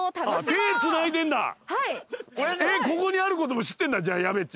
ここにあることも知ってんだじゃあやべっち。